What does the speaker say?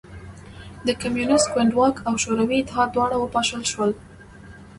د کمونېست ګوند واک او شوروي اتحاد دواړه وپاشل شول